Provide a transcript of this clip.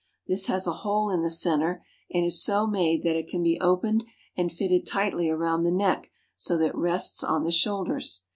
This has a hole in the center and is so made that it can be opened and fitted tightly around the neck so that it rests on the shoulders.